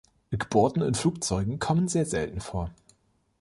Geburten in Flugzeugen kommen sehr selten vor.